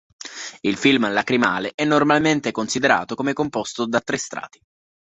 Il film lacrimale è normalmente considerato come composto da tre strati.